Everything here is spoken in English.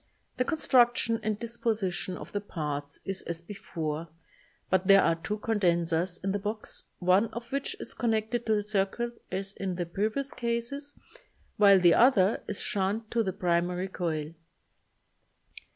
The con struction and disposition of the parts is as before but there are two condensers in the box, one of which is connected in the cir cuit as in the previous cases, while the other is in shunt to the primary coil.